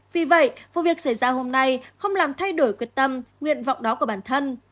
vì vậy vụ việc xảy ra hôm nay không làm thay đổi quyết tâm nguyện vọng đó của bản thân